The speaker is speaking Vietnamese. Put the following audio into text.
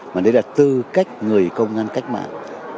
mà đấy là tư cách người công an cách mạng